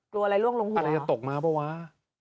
กลัวอะไรล่วงลงหัวหรออะไรจะตกมาป่าววะ